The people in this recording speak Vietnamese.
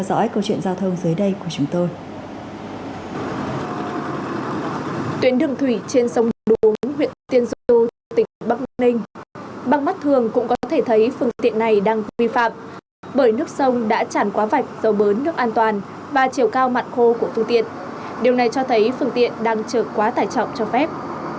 điều này cho thấy phương tiện đang chờ quá tải trọng cho phép